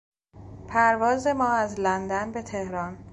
پرواز ما از لندن به تهران